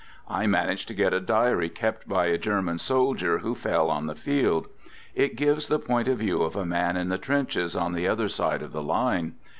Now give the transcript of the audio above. ... I managed to get a diary kept by a German sol dier who fell on the field. It gives the point of view of a man in the trenches on the other side of the line.